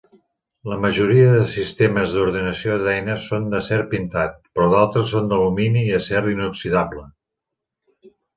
La majoria de sistemes d"ordenació d"eines són d"acer pintat, però d"altres són d"alumini i acer inoxidable.